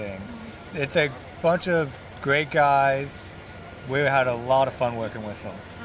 ini adalah sebuah ramai orang yang bagus kita sangat senang bekerja dengan mereka